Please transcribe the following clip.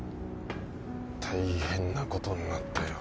大変なことになったよ。